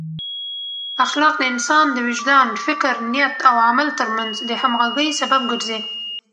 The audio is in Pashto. اخلاق د انسان د وجدان، فکر، نیت او عمل ترمنځ د همغږۍ سبب ګرځي.